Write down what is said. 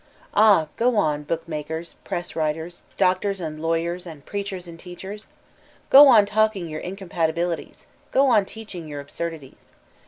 Ah, go on, book makers, press writers, doctors and lawyers and preachers and teachers I Go on talking your incompatibilities ; go on teaching your absurdities